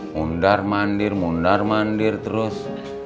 mundar mandir mundar mandir terus